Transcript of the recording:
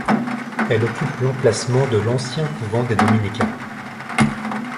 Elle occupe l'emplacement de l'ancien couvent des Dominicains.